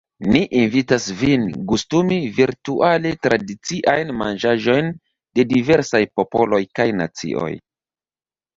Ni invitas vin “gustumi” virtuale tradiciajn manĝaĵojn de diversaj popoloj kaj nacioj.